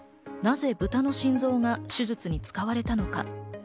なぜブタの心臓が手術に使われたのか？